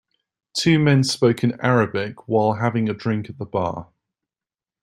Two men spoke in Arabic while having a drink at the bar.